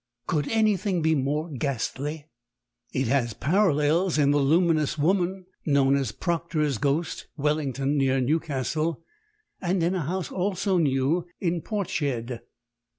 Could anything be more ghastly?" "It has parallels in the luminous woman known as Proctor's ghost, Wellington, near Newcastle, and in a house, also new, in Portishead.